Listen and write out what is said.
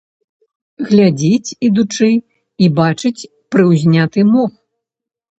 Глядзіць, ідучы, і бачыць прыўзняты мох.